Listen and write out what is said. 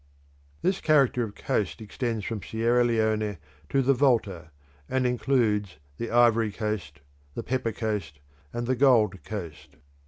This character of coast extends from Sierra Leone to the Volta, and includes the Ivory Coast, the Pepper Coast, and the Gold Coast.